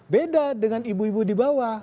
beda dengan ibu ibu di bawah